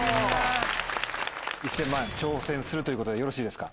１０００万円挑戦するということでよろしいですか？